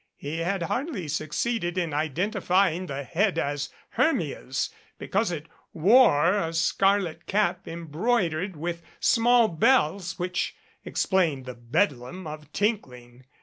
He had hardly succeeded in identifying the head as Hermia's because it wore a scarlet cap embroidered with small bells which explained the bedlam of tinkling.